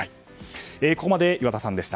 ここまで岩田さんでした。